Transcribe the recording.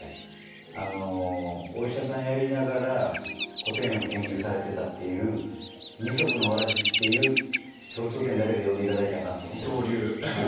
お医者さんやりながら古典を研究されてたっていう二足のわらじっていう共通点だけで呼んで頂いたんかなと思ってるんですけど。